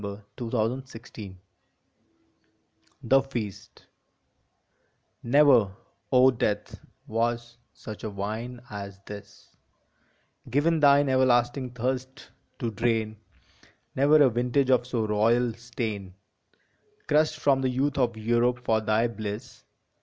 144 ON THE GREAT WAR THE FEAST Never, O Death, was such a wine as this Given thine everlasting thirst to drain, Never a vintage of so royal stain, Crushed from the youth of Europe for thy bliss.